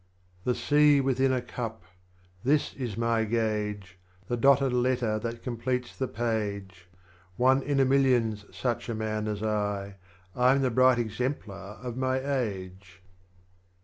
22. The Sea within a Cup â€" this is my Gauge, The Dotted Letter that completes the page, One in a Million 's such a Man as I, I am the bright Exemplar of my age.